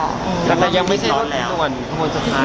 หรือหรือยังไม่รวดด่วน